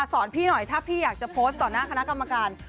พี่หน่อยถ้าพี่อยากจะโพสต์ต่อหน้าคณะกรรมการ